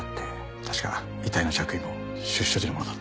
確か遺体の着衣も出所時のものだった。